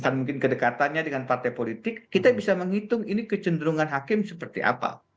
bahkan mungkin kedekatannya dengan partai politik kita bisa menghitung ini kecenderungan hakim seperti apa